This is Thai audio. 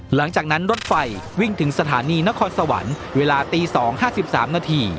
หลังจากนั้นรถไฟวิ่งถึงสถานีนครสวรรค์เวลาตี๒๕๓นาที